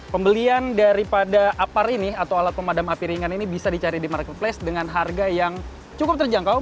pembelian daripada apar ini atau alat pemadam api ringan ini bisa dicari di marketplace dengan harga yang cukup terjangkau